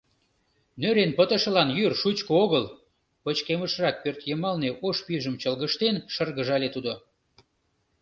— Нӧрен пытышылан йӱр шучко огыл, — пычкемышрак пӧртйымалне ош пӱйжым чолгыжтен, шыргыжале тудо.